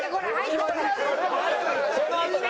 そのあと何？